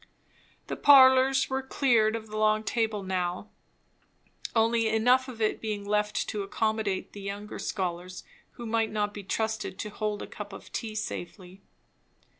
The parlours were cleared of the long table now; only enough of it being left to accommodate the younger scholars who might not be trusted to hold a cup of tea safely.